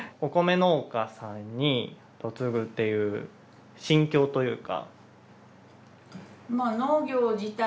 お米農家さんに嫁ぐっていう心境というか。